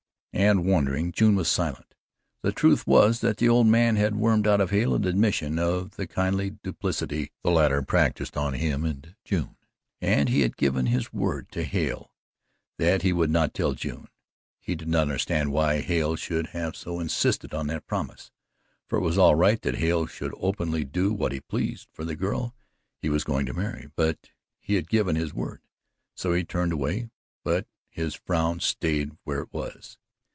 And, wondering, June was silent. The truth was that the old man had wormed out of Hale an admission of the kindly duplicity the latter had practised on him and on June, and he had given his word to Hale that he would not tell June. He did not understand why Hale should have so insisted on that promise, for it was all right that Hale should openly do what he pleased for the girl he was going to marry but he had given his word: so he turned away, but his frown stayed where it was.